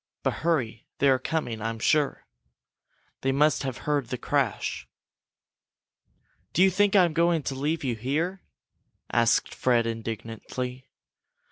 But hurry! They are coming, I'm sure! They must have heard the crash!" "Do you think I'm going to leave you here?" asked Fred, indignantly.